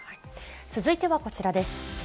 続いてはこちらです。